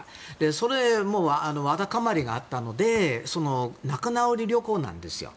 それもわだかまりがあったのでその仲直り旅行なんですよ。